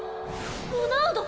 ロナウド！